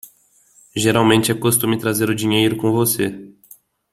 Geralmente é costume trazer o dinheiro com você.